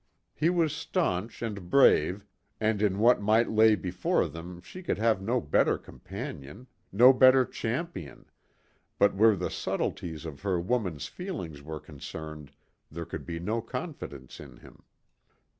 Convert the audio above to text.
He was staunch and brave, and in what might lay before them she could have no better companion, no better champion, but where the subtleties of her woman's feelings were concerned there could be no confidence in him.